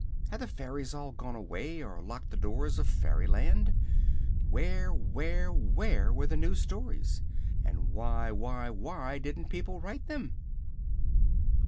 Had the fairies all gone away, or locked the doors of Fairyland? Where, where, where were the new stories, and why, why, why did n't people write them?